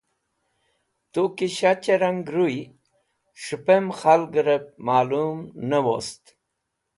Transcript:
Tu ki shachẽ rang rũy s̃hẽpem khalgrẽb malum nẽ wost?